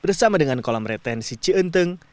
bersama dengan kolam retensi cienteng